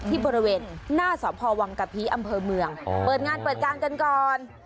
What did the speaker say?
ที่บริเวณหน้าสพวังกะพีอำเภอเมืองเปิดงานเปิดการกันก่อน